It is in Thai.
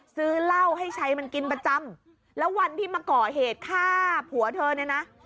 ซื้อเหล้าให้ใช้มันกินประจำแล้ววันที่มาก่อเหตุฆ่าผัวเธอเนี่ยนะ